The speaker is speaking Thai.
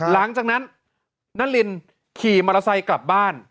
หลังจากนั้นนารินขี่มอเตอร์ไซค์กลับบ้าน